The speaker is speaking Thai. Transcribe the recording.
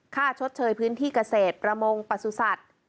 ค่าชดเชยพื้นที่เกษตรระมงประสุสัตว์